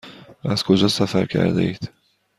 از کجا سفر کرده اید؟